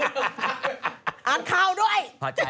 อังคาวด้วย